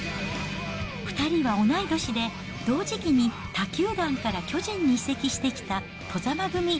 ２人は同い年で、同時期に他球団から巨人に移籍してきた外様組。